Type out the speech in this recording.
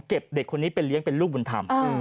เด็กคนนี้ไปเลี้ยงเป็นลูกบุญธรรม